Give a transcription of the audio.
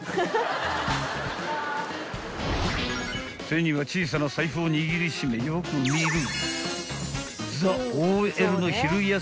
［手には小さな財布を握り締めよく見る］